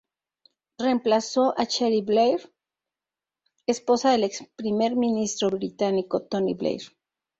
Reemplazó a Cherie Blair, esposa del ex-primer ministro británico Tony Blair.